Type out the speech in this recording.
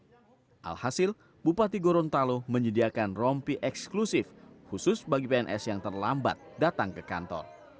alhasil bupati gorontalo menyediakan rompi eksklusif khusus bagi pns yang terlambat datang ke kantor